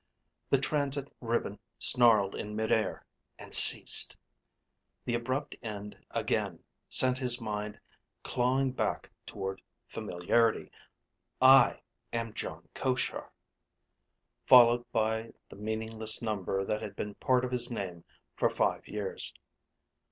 The transit ribbon snarled in mid air and ceased. The abrupt end again sent his mind clawing back toward familiarity: I am Jon Koshar (followed by the meaningless number that had been part of his name for five years).